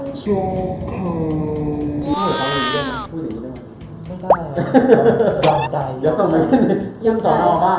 พูดอย่างนี้ได้มั้ย